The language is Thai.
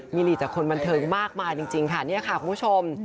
มีหลีจากคนบันเทิงมากมายจริงค่ะเนี่ยค่ะคุณผู้ชม